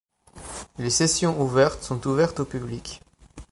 Les sessions ouvertes sont ouvertes au public.